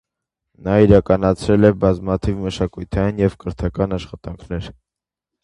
Նա իրականացրել է բազմաթիվ մշակութային և կրթական աշխատանքներ։